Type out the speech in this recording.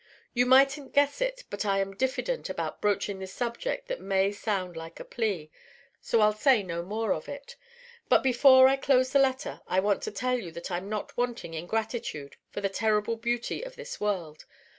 You mightn't guess it but I am diffident about broaching this much that may sound like a plea, so I'll say no more of it. But before I close the letter I want to tell you that I'm not wanting in gratitude for the terrible beauty of this world.